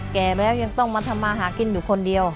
แก่แล้วยังต้องมาทำมาหากินอยู่คนเดียว